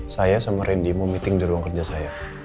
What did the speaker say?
saya sama randy mau meeting di ruang kerja saya